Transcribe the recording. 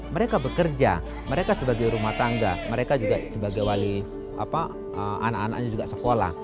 mereka bekerja mereka sebagai rumah tangga mereka juga sebagai wali anak anaknya juga sekolah